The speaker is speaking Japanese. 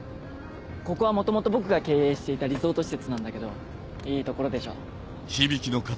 ここは元々僕が経営していたリゾート施設なんだけどいい所でしょ？